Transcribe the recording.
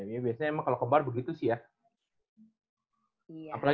ini biasanya emang kalo ke bar begitu sih ya